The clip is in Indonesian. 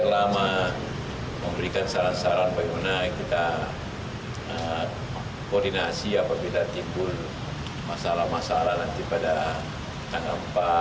selama memberikan saran saran bagaimana kita koordinasi apabila timbul masalah masalah nanti pada tanggal empat